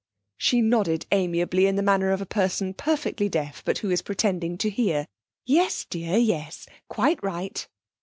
She nodded amiably in the manner of a person perfectly deaf, but who is pretending to hear. 'Yes, dear; yes, quite right.'